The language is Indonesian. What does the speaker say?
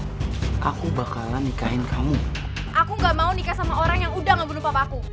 aku bakalan nikahin kamu aku gak mau nikah sama orang yang udah gak menumpak aku